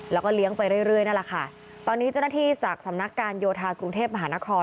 แล้วก็เลี้ยงไปเรื่อยเรื่อยนั่นแหละค่ะตอนนี้เจ้าหน้าที่จากสำนักการโยธากรุงเทพมหานคร